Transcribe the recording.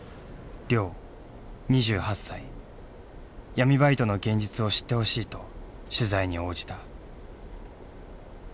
闇バイトの現実を知ってほしいと取材に応じた。